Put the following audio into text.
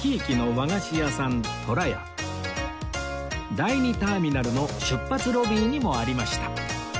第２ターミナルの出発ロビーにもありました